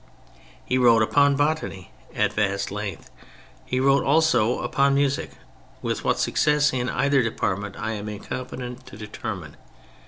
He wrote upon botany at vast length; he wrote also upon music — with what success in either depart ment I am incompetent to determine.